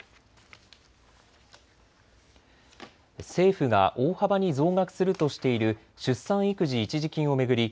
政府が大幅に増額するとしている出産育児一時金を巡り